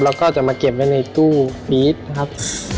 แล้วก็จะมาเก็บไว้ในตู้ปี๊ดนะครับ